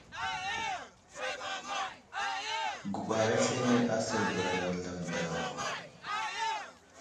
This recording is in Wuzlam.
Guɓar aslane asər bəra Wuzlam daw.